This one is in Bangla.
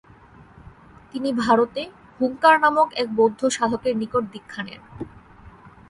তিনি ভারতে হুঙ্কার নামক এক বৌদ্ধ সাধকের নিকট দীক্ষা নেন।